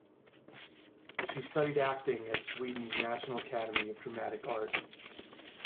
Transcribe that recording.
She studied acting at Sweden's National Academy of Dramatic Art.